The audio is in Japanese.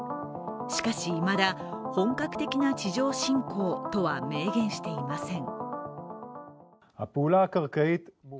しかし、いまだ本格的な地上侵攻とは明言していません。